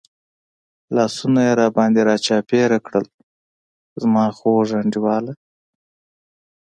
لاسونه یې را باندې را چاپېر کړل، زما خوږ انډیواله.